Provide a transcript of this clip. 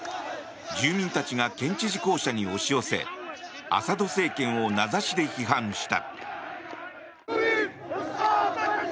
住民たちが県知事公舎に押し寄せアサド政権を名指しで批判した。